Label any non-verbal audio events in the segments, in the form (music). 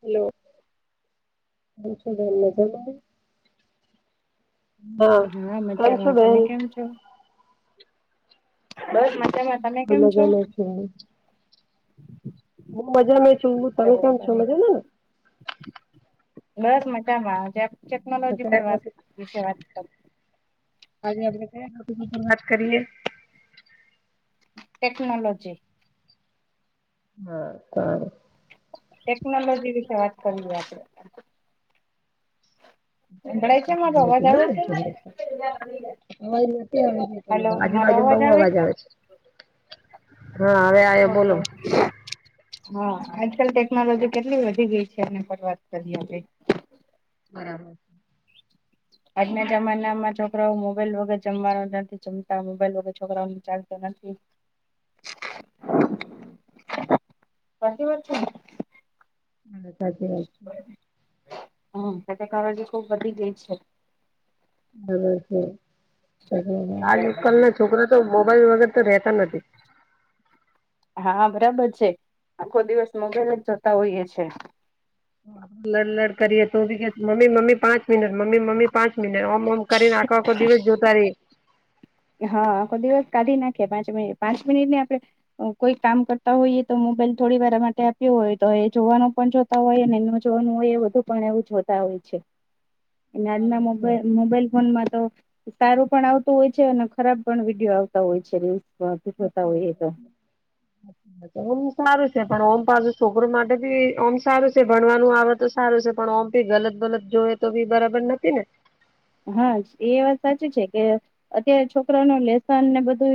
Hello કેમ છો બહેન મજામાં. હા કેમ છો મજામાં બહેન. તમે કેમ છો. બસ મજામાં તમે હું કેમ છો. મજામાં છું. હું મજા માં છું હું તમે સરસ કેમ છો સરસ મજામાં ને. બસ મજામાંજ જરાક આપણે ટેકનોલોજી પર કયા વાત ટોપિક વિશે વાત કર આજે આપડે કયા ટોપીક ઉપર વાત કરીએ. ટેકનોલોજી. હા સારું. ટેકનોલોજી વિશે વાત કરીએ આપડે. સંભળાય છે મારો અવાજ આવે છે. અવાજ નથી આવતો તમારો આજુબાજુમાં બઉ અવાજ આવે છે. હા હવે આ ઓકે. હા આજકાલ ટેકનોલોજી કેટલી વધી ગઈ છે એને પર વાત કરીએ હવે. બરાબર. આજના જમાના માં છોકરાઓ મોબાઈલ વગર જમવાનો નથી જમતા મોબાઈલ વગર છોકરાઓ ચાલતો નથી. હાચી વાત છે ને. હા સાચી વાત. હા એના કારણ ખુબ વધી ગઈ છે. બરોર હ આજ કલ ના છોકરા તો મોબાઈલ વગર તો રેતા નથી હા બરાબર છે આખો દિવસ મોબાઈલ જ જોતા હોઈએ છે. લડ લડ કરીએ તો બી કે મમ્મી મ્મ્મી પાંચ મિનાટ મમ્મી મમ્મી પાંચ મિનિટ ઓમ ઓમ કરીને આખો આખો દિવસ જોતા રહે. હા આખો દિવસ કાઢી નાખે પાંચ મિનિટ પાંચ મિનિટ ને આપણે કોઈ કામ કરતા હોઈએ તો મોબાઈલ થોડી વાર માટે આપ્યો હોય તો એ જોવાનો પણ જો હોય એ ન જોવાનું હોય એ બધું પણ એવું જોતા હોય છે અને આજના મોબલ મોબાઈલ ફોનમાં તો સારું પણ આવતું હોય અને ખરાબ પણ વિડીયો આવતા હોય છે રીલ્સ જોતા હોઈએ તો ઓમ સારું છે પણ ઓમ પાછુ છોકરો માટે ભી ઓમ સારું છે ભણવાનું આવે તો સારું છે પણ ઓમ્પી ગલત ગલત જોએ તો બી બરાબર નથી ને હા એ વાત સાચ છે કે અત્યારે છોકરા ન લેસન ને બધું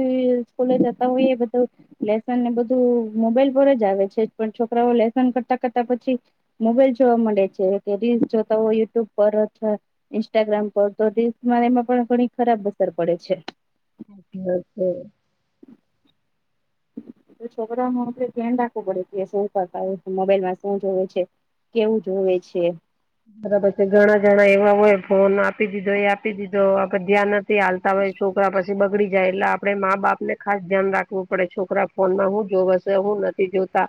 સ્કૂલે જતા હોઈ બધું લેસન ને બધું મોબાઈલ પર જ આવે છે પણ છોકરાઓ લેસન કરતા કરતા પછી મોબાઈલ જોવા મળે છે કે રીલ્સ જોતા હોય યુટ્યુબ પર અથવા ઇન્સ્ટાગ્રામ પર તો દેશમાં એમાં પણ ઘણી ખરાબ અસરડે છે અચચ છે છોકરામાં ધ્યાન રાખવું પડે કે શું કરતા મોબાઈલમાં શું જોવે છે કેવું જોવે છે બરાબર છે ઘણા જણા એવા હોય ફોન આપી દીધો એ આપી દીધો આ ધ્યાન નથી ચાલતા હોય છોકરા પછી બગડી જાય એટલે આપડણે મા બાપ ને ખાસ ધ્યાન રાખવું પડે છોકરા ફોનમાં હું જોવા હશે હું નથી જોતા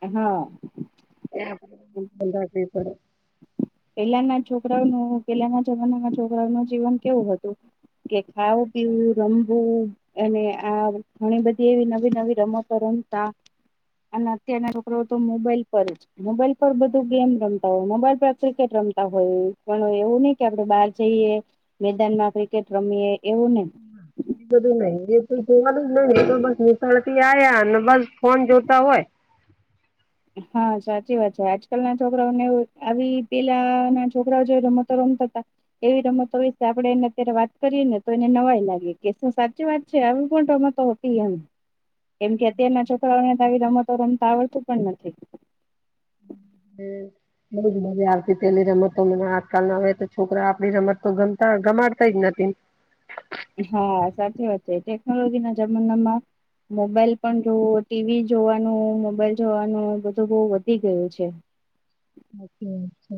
હા એ આ બંધા (unintelligible) પેલાના છોકરાઓનું, પેલાના જમાનાના છોકરાઓનું જીવન કેવું હતું કે ખાવું-પીવું, રમવું અને આ ઘણી બધી એવી નવી નવી રમતો રમતા અને અત્યારના છોકરાઓ તો મોબાઈલ પર જ, મોબાઈલ પર બધું ગેમ રમતા હોય, મોબાઈલ પર ક્રિકેટ રમતા હોય પણ એવું નઈ કે આપડે બાર જઈએ મેદાનમાં ક્રિકેટ રમીએ એવું નઈ. બધું નઈ, એ તો જોવાનું જ નઈ તો બિલકુલ નિશાળથી આયા ને બસ ફોન જોતા હોય હા, સાચી વાત છે, આજકાલ ના છોકરાઓને આવી પેલાના છોકરાઓ જે રમતો રમતા તા એવી રમતો વિષે આપડે એને અત્યારે વાત કરીએ ને તો એને નવાઈ લાગે કે શું સાચી વાત છે, આવી પણ રમતો તી એમ, કેમ કે અત્યારના છોકરાઓને તો આવી રમતો રમતા આવડતું પણ નથી. હમ્મ. બઉ જ મજા આવતી પેલી રમતો મન આજકાલના હોય તો છોકરા આપણી રમતો ગમતા ગમાડતા જ નથી હા, સાચી વાત છે ટેકનોલોજીના જમાનામાં મોબાઈલ પણ જો ટીવી જોવાનું, મોબાઈલ જોવાનું બધું બોઉ વધી ગયું છે. સાચી વાત છે.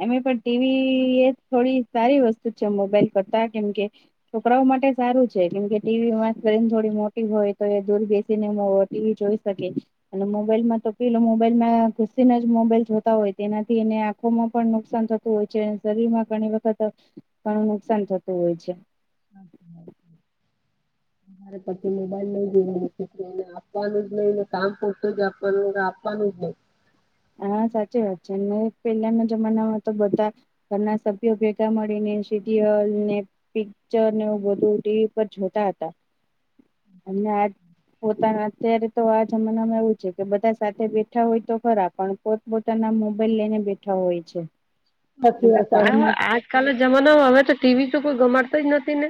અને પણ ટીવી એ થોડી સારી વસ્તુ છે મોબાઈલ કરતા કેમકે છોકરાઓ માટે સારું છે, કેમકે ટીવીમાં સ્ક્રીન થોડી મોટી હોય તો એ દૂર બેસીને ટીવી જોઈ શકે. અને મોબાઈલમાં તો પેલો મોબાઈલમાં ઘૂસીને જ મોબાઈલ જોતા હોય તેનાથી એને આખોમાં પણ નુકસાન થતું હોય છે શરીરમાં ઘણી વખત ઘણું નુકસાન થતું હોય છે. તારે પછી મોબાઈલ નઈ જોવો, પછી એને આપાનું જ નઈ ને કામ પૂરતું જ આપાનું નઈ તો આપાનું જ નઈ. હા, સાચી વાત છે અને પેલાના જમાનામાં તો બધા ઘરના સભ્યો ભેગા મળીને સીટીહોલ ને પિક્ચરને એવું બધું ટીવી પર જોતા હતા અને આજ પોતાના અત્યારે તો આ જમાનામાં એવું છે કે બધા સાથે બેઠા હોય તો ખરા પણ પોત-પોતાના મોબાઈલ લઈને બેઠા હોય છે. સાચી એટલે વાત છે. આ ઘરમાં આજકાલના જમાનામાં હવે તો ટીવી તો કોઈ ગમાડતું જ નથી ને.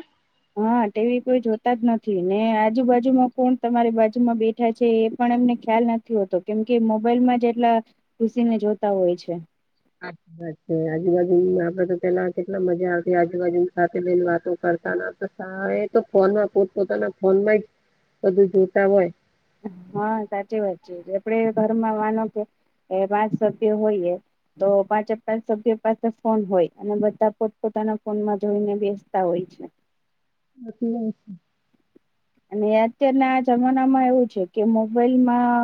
હા ટીવી કોઈ જોતા જ નથી ને આજુબાજુમાં પણ તમારી બાજુમાં બે ઠ્યા છે એ પણ એમને ખ્યાલ નથી હોતો કેમ કે મોબાઈલમાં જ એટલા ઘુસીને જોતા હોય છે. સાચી વાત છે. આજુબાજુમ આપડે તો પેલા કેટલા મજા આવતી. આજુબાજુમ સાથે બેહીન વાતો કરતા ન તા. એ તો ફોનમાં પોત-પોતાના ફોનમાં જ બધું જોતા હોય. હા, સાચી વાત છે. આપડે ઘરમાં માનો કે પાંચ સભ્ય હોઈએ. તો પાંચે પાંચ સભ્ય પાસે ફોન હોય અને બધા પોત-પોતાના ફોનમાં જોઈને બેસતા હોય છે. એટલે જ. અને અત્યારના જમાનામાં એવું છે કે મોબાઈલમાં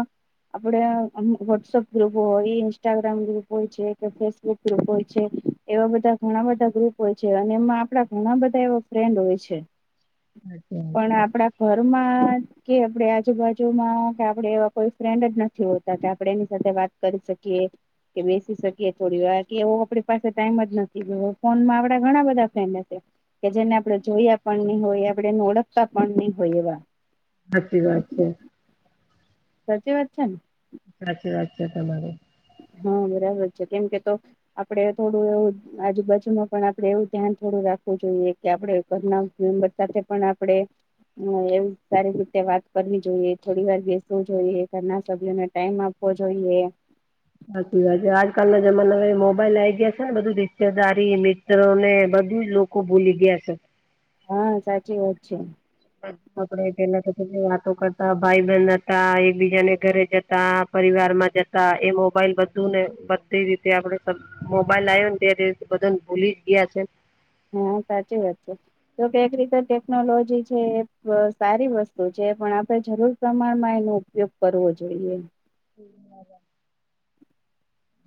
આપડે આમ વોટ્સઅપ ગ્રુપો હોય, ઇન્સ્ટાગ્રામ ગ્રુપો હોય છે કે ફેસબુક ગ્રુપ હોય છે. એવા બધા ઘણા બધા ગ્રુપ હોય છે અને એમાં આપણા ઘણા બધા એવા ફ્રેન્ડ હોય છે. પણ છે. આપડા ઘરમાં કે આપડે આજુબાજુમાં, કે આપડે એવા કોઈ ફ્રેન્ડ જ નથી હોતા, કે આપણે એની સાથે વાત કરી શકીએ. કે બેસી શકીએ થોડી વાર કે એવો આપણી પાસે ટાઈમ જ નથી. ફોનમાં આપડા ઘણા બધા ફ્રેન્ડ હશે. કે જેને આપણે જોયા પણ નહી હોય આપડે એને ઓળખતા પણ નહી હોય એવા. સાચી વાત છે. સાચી વાત છે ને? સાચી વાત છે તમારી. હા, બરાબર છે કેમ કે તો આપડે થોડું એવું આજુબાજુમાં પણ આપડે એવું ધ્યાન થોડું રાખવું જોઈએ કે આપડે ઘરમાં મેમ્બર સાથે પણ આપડણે હા એવું સારી રીતે વાત કરવી જોઈએ થોડી વાર બેસવું જોઈએ ઘના સભ્યોને ટાઈમ આપવો જોઈએ સાચી વાત છે આજકાલના જમાના હ મોબાઈલ આ આવી ગયા છે ને બધું રિતેાર મિત્રો ને બધું જ લોકો ભૂલી ગયા છે હા સાચી વાત છે આપડેના સાથે વાતો કરતા ભાઈ બહેન હતા એકબીજાને ઘરે જતા પરિવાર માં જતા એ મોબાઈલ બધું ને બધી રીતે આપડે મોબાઈલ આવ્યો ને ત્યારે બધાને ભૂલી જ ગયા છે હા સાચી વાત છે તો કક રીતે ટેકનોલોજી છે સારી વસ્તુ છે પણ આપણે જરૂર પ્રમાણમાં એનો ઉપયોગ કરવો જોઈએ હ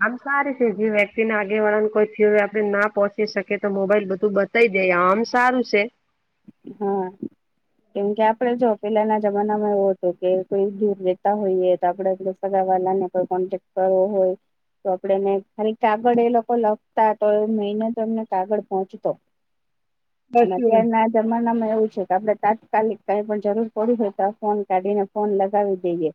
આમ સારી છે જે વ્યક્તિ ના આગેવાળન કોઈ થયયો આપડ ના પોહોંચી શકે તો મોબાઈલ બધું બ ઈ દે આમ સારું છે હમ કેમ કે આપડે જો પેલાના જમાનામાં એવો હતો કે કોઈ દૂર રહેેતા હોઈએ તો આપડે ગ વાલા ને કોઈ કોન્ટેક્ટ કરવો હોય તો આપણેને ખાલી કાગળ એ લોકો લખતા તો એ મિન તો એમને કાગળ પહોંચતો મ બસ જમાનામાં એવું છે કે આપણે તાત્કાલિક કઈ પણ જરૂર પડી હોય તો આ ફોન કાઢીને ફોન લગાવી દઈએ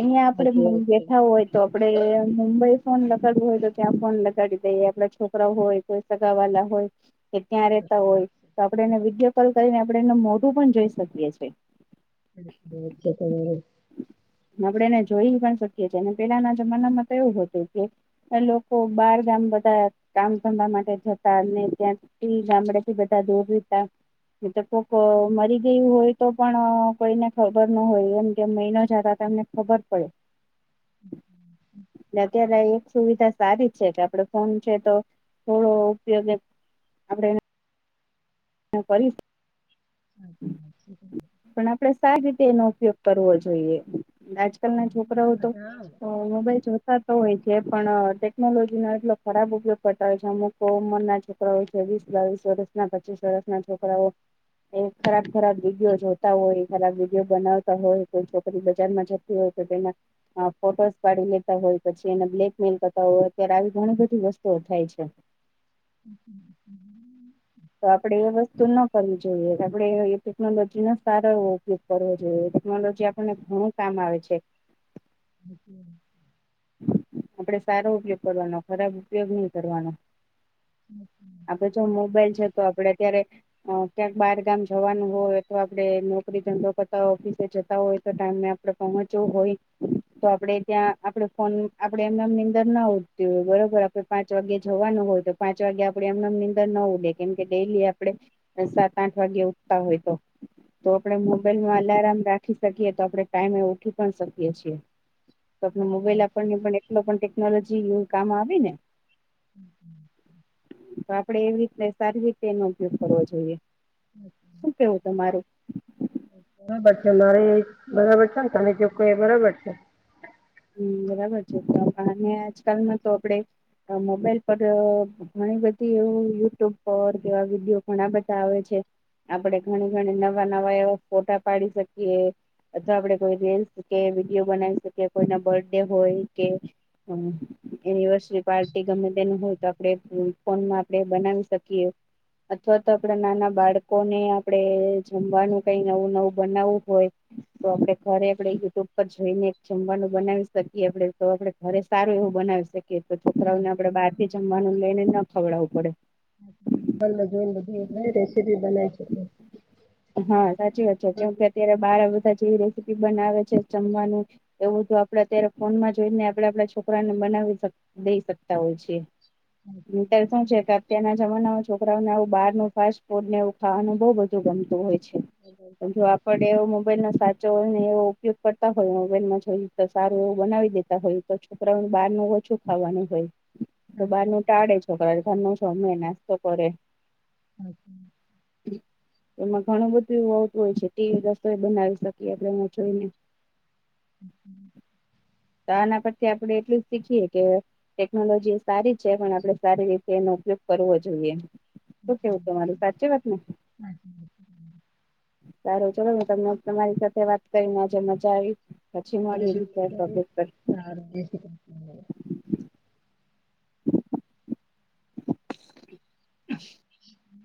અહિયાં આપડે સાચી વાત બેઠા હોય તો આપડે મુંબઈ ફોન લગાડવું હોય તો ત્યાં ફોન લગાડી દઈએ આપડા છોકરા હોય સગા વાલા હોય કે ત્યાં રહેતા હોય તો આપડેને વિદ કરીને આપણે એનું મોઢું પણ જોઈ શકીએ છીએ ત આપડે એને જોઈ પણ શકીએ છીએ અને પેલાના જમાનામાં તો એવું હતું કે ને લોકો બાર ગામ બધા કામ ધંધા માટે જતાને ત્યાં એ ગામડાે થી બધા દૂરીતા મ કોક મરી ગયું હોય તો પણ કોઈને ખબર ન હોય એમ કે મહિનો જતા તમને ખબર પડે એ અત્યારે સુવિધા સારી છે કે આપડ ફોન છે તો થોડો ઉપયોગે આપણે હા કરી પણ આપણેે સારી રીતે એનો ઉપયોગ કરવો જોઈએ આજકાલ ના છોકરાઓ તો મોબાઈલ જોતા તો હોય છે પણ ટેકનોલોજી નો એટલો ખરાબ ઉપયોગ કરતા હોય છે અમુક બો ઉંમર ના છોકરાઓ છે વીસ બાવીસ વર્ષના પચીસ વર્ષના છોકરાઓ એ ખરાબ ખરાબ વિડીયો જોતા હોય ખરાબ વિડીયો બનાવતા હોય કોઈ છોકરી બજારમાં જતી હોય તો તેના અ ફોટોસ પાડી લેતા હોય પછી એને બ્લેકમેલ કરતા હોય અત્યારે આવી ઘણી બધી વસ્તુઓ થાય છે (inaudible) (inaudible) તો આપડે એ વસ્તુ ના કરવી જો જોયે આપે ટેકનોલોજી નો સારો એવો ઉપયોગ કરવો જોઈએ ટેકનોલોજી આપને ઘણું કામ આવે છે (inaudible) (inaudible) આપડે સારો ઉપયોગ કરવાનો ખરાબ ઉપયોગ ની કરવાનો આપડે જો મોબાઈલ છે (inaudible) તો આપડે અત્યારે અ ક્યાંક બાર ગામ જવાનું હોય તો આપડ નોકરી ધંધો કરતા ઓફિસે જતા હોય તો ટાઈમ મેં આપડે પહોંચવું હોય તો આપડે ત્યાં આપડે ફોન આપડે એમના એમની નીદર ના ઉઠી હોય બરોબર કે પાંચ વાગે જવાનું હોય તો પાંચ વાગે આપડે એમનેમ નીંદર ન ઉડે કેમ કે ડેલી આપડે સાત આઠ વાગે ઉગતા હોય તો તો આપડે મોબાઈલમાં આલારામ રાખ ઉીઠી શકીએ તો આપણે ટાઈમે એ ઉઠી પણ શકીએ છીએ તો આપ મોબાઈલ આપણને પણ એટલો પણ ટેકનોલોજી એવું કામ આવે ને (inaudible) તો આપડે એવી રીત સારી રીતે એનો ઉપયોગ કરવો જોઈએ શું કેવું તમારું (unintelligible) બરાબર છે ને તમે કે છો એ બરાબર છે. હમ્મ, બરાબર છે તો આજકાલમાં તો આપડે મોબાઈલ પર ઘણી બધી એવુ યુટ્યુબ પર કેવા વિડીયો ઘણા બધા આવે છે. આપડે ઘણી ઘણી નવા નવા એવા ફોટા પાડી શકીએ. અથવા આપડે કોઈ રીલ્સ કે વિડીયો બનાવી શકીએ કોઈના બર્થડે હોય કે હમ્મ. એનિવર્સરી પાર્ટી ગમે તેનું હોય તો આપડે ફોનમાં આપણે બનાવી શકીએ. અથવા તો આપડા નાના બાળકોને આપણેે જમવાનું કઈ નવું નવું બનાવવું હોય તો આપડે ઘરે આપડે યુટ્યુબ પર જોઈને ચમવાનું બનાવી શકીએ તો આપડે ઘરે સારું એવું બનાવી શકીએ તો છોકરાઓને આપડે બાર જમવાનું લઈને ન ખવડાવવું પડે. મજે ને બધું રેસીપી બનાવી શકે. હા સાચી વાત છે કેમ કે અત્યારે બાર બધા જેવી રેસીપી બનાવે છે જમવાનું એવું તો આપડે અત્યારે ફોન માં જોઈને આપણે આપડા છોકરાને બનાવી શક દઈ શકતા હોય છે. (unintelligible) શું છે કે અત્યારના જમાનામાં છોકરાઓને આવું બહારનું ફાસ્ટ ફૂડ ને એવું ખાવાનું બોઉ બધું ગમતું હોય છે. જો આપડે એવો મોબાઈલનો સાચો (unintelligible) હોય ને એવો ઉપયોગ કરતા હોય મોબાઈલમાં તો સારું એવું બનાવી દેતા હોય તો છોકરાઓને બહારનું ઓછું ખાવાનું હોય. તો બારનું ટાળે છોકરા ઘરનું છો, અમે નાસ્તો કરે હચછ. એમાં ઘણું બધું એવું આવતું હોય છે ટવી (unintelligible) રસોઈ બનાવી શકીએ આપે એમાં જોઈને તો આના પરથી આપડે એટલું જ શીખીએ કે ટેકનોલોજી એ સારી છે પણ આપડે સારી રીતે એનો ઉપયોગ કરવો જોઈએ. ઓકે ઓકે માર સાચી વાતને? સારું ચલો ને તમે તમારી સાથે વાત કરીને આજ મજા આવી. પછી મળીએ બીજા ટોપિક પર (inaudible) (inaudible)